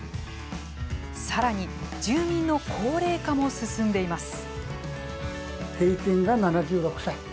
さらに住民の高齢化も進んでいます。